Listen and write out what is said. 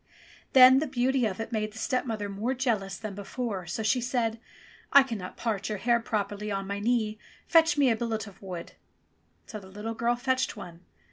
Then the beauty of it made the stepmother more jealous than before, so she said, "I cannot part your hair properly on my knee, fetch me a billet of wood." So the little girl fetched one.